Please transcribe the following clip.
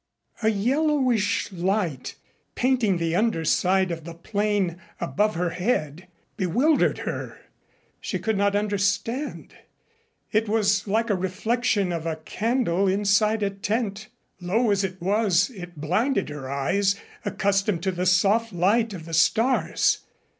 A yellowish light, painting the under side of the plane above her head, bewildered her. She could not understand. It was like a reflection of a candle inside a tent. Low as it was, it blinded her eyes, accustomed to the soft light of the stars.